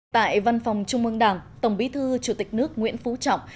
tại văn phòng trung mương đảng tổng bí thư chủ tịch nước nguyễn phú trọng